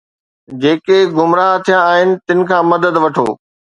جيڪي گمراھ ٿيا آھن تن کان مدد وٺو